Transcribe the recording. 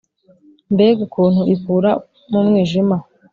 mbega ukuntu ikura mu mwijima.